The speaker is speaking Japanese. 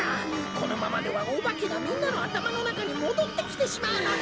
このままではおばけがみんなのあたまのなかにもどってきてしまうのだ！